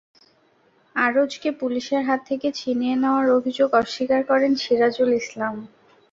আরজকে পুলিশের হাত থেকে ছিনিয়ে নেওয়ার অভিযোগ অস্বীকার করেন সিরাজুল ইসলাম।